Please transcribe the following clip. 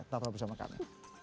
tepuk tangan bersama kami